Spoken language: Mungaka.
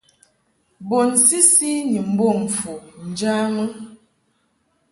Bun sisi ni mbom fu njamɨ.